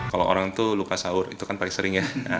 kalau orang tuh luka sahur itu kan paling sering ya